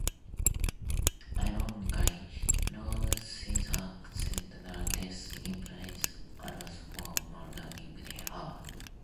Ironically, Louise's accidental death implicates Arthur for murdering her.